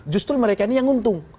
justru mereka ini yang untung